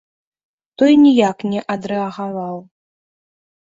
Той ніяк не адрэагаваў.